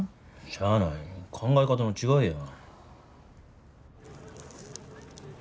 しゃあない考え方の違いや。